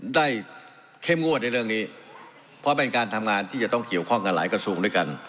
เข้มงวดในเรื่องนี้เพราะเป็นการทำงานที่จะต้องเกี่ยวข้องกับหลายกระทรวงด้วยกัน